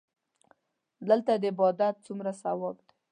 دلته د عبادت څومره ثواب دی.